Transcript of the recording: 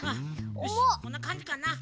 よしこんなかんじかなうん。